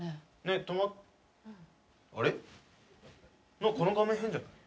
何かこの画面変じゃない？